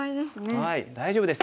大丈夫です